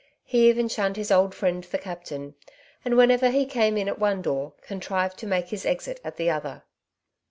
He even shunned his old friend the captain, and whenever he came in at one door, contrived to make his exit at the other.